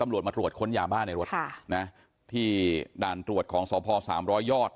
ตำรวจมาตรวจค้นยาบ้าในรถที่ด่านตรวจของสพสามร้อยยอด